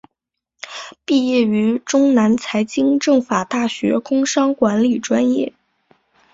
毕业于中南财经政法大学工商管理专业。